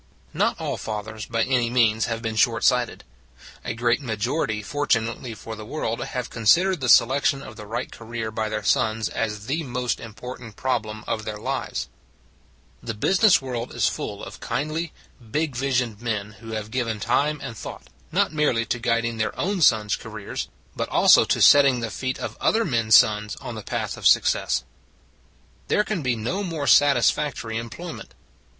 Not all fathers, by any means, have been shortsighted. A great majority, fortu nately for the world, have considered the selection of the right career by their sons as the most important problem of their lives. The business world is full of kindly, big visioned men who have given time and The Finest Investment 193 thought, not merely to guiding their own sons careers, but also to setting the feet of other men s sons on the path of success. There can be no more satisfactory em ployment.